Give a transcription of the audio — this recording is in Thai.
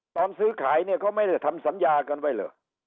ซื้อขายเนี่ยเขาไม่ได้ทำสัญญากันไว้เหรอ